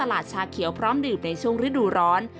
ในช่วงฤดูร้อน